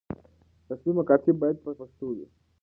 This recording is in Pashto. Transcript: رسمي مکاتبې بايد په پښتو وي.